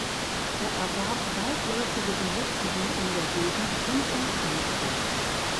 Er erwarb weitläufige Besitzungen in der Gegend rund um Frankfurt.